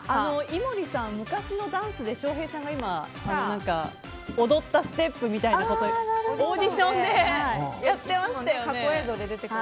井森さん、昔のダンスで翔平さんが今踊ったステップみたいなオーディションでやっていましたよね。